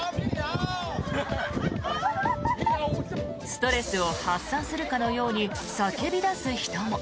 ストレスを発散するかのように叫び出す人も。